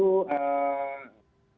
kinerja kabinet akan dipertarungkan